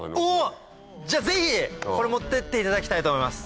じゃあぜひこれ持ってっていただきたいと思います。